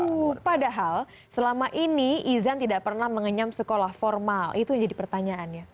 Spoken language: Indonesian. wuh padahal selama ini izan tidak pernah mengenyam sekolah formal itu yang jadi pertanyaannya